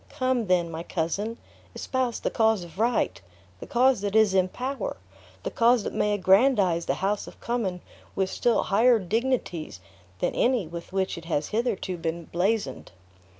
Come, then, my cousin! espouse the cause of right; the cause that is in power; the cause that may aggrandize the house of Cummin with still higher dignities than any with which it has hitherto been blazoned."